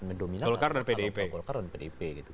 mendominat golkar dan pdip